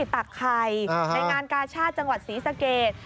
ตักไข่ในงานกาชาติจังหวัดศรีสะเกด